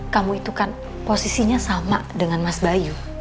kamu itu kan posisinya sama dengan mas bayu